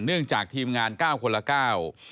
เนื่องจากทีมงาน๙คนละ๙